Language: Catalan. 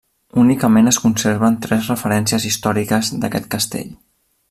Únicament es conserven tres referències històriques d'aquest castell.